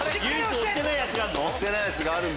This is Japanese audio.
押してないやつがあるの？